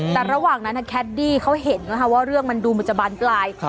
แต่ระหว่างนั้นแคดดี้เขาเห็นว่าเรื่องมันดูมันจะบานปลาย